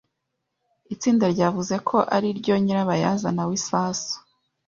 Itsinda ryavuze ko ariryo nyirabayazana w’ibisasu.